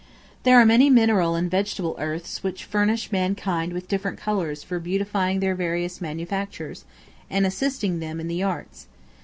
There are many mineral and vegetable earths which furnish mankind with different colors for beautifying their various manufactures, and assisting them in the arts, &c.